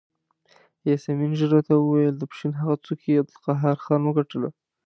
یاسمین ژر راته وویل د پښین هغه څوکۍ عبدالقهار خان وګټله.